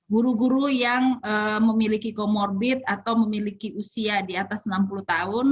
guru guru yang memiliki comorbid atau memiliki usia di atas enam puluh tahun